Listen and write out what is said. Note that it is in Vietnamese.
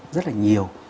rất là nhiều